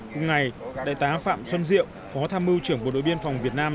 cùng ngày đại tá phạm xuân diệu phó tham mưu trưởng bộ đội biên phòng việt nam